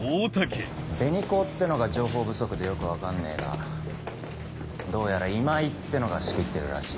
紅高ってのが情報不足でよく分かんねえがどうやら今井ってのが仕切ってるらしい。